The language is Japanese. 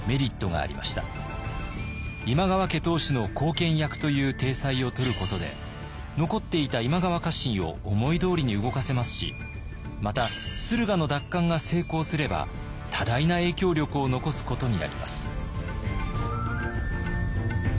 今川家当主の後見役という体裁をとることで残っていた今川家臣を思いどおりに動かせますしまた駿河の奪還が成功すれば多大な影響力を残すことになります。